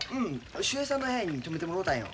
秀平さんの部屋に泊めてもろうたんよ。